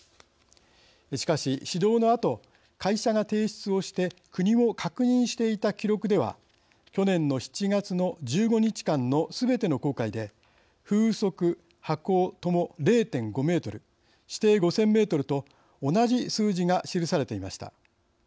しかし指導のあと会社が提出をして国も確認していた記録では去年の７月の１５日間のすべての航海で風速波高とも０．５メートル視程５，０００メートルと同じ数字が記されていました。